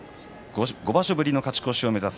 ５場所ぶりの勝ち越しを目指す